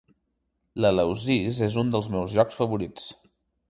L'Eleusis és un dels meus jocs favorits.